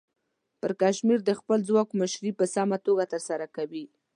پرکمشر د خپل ځواک مشري په سمه توګه ترسره کوي.